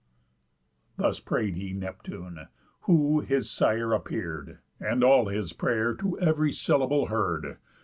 Thus pray'd he Neptune; who, his sire, appear'd, And all his pray'r to ev'ry syllable heard.